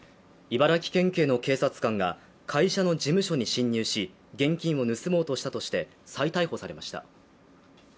茨城県警の警察官が会社の事務所に侵入し現金を盗もうとしたとして再逮捕されました。